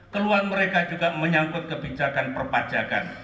keluhan mereka juga menyangkut kebijakan perpajakan